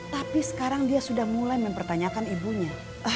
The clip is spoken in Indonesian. tapi sekarang dia sudah mulai mempertanyakan ibunya